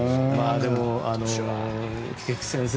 でも、菊地先生